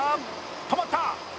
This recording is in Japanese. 止まった！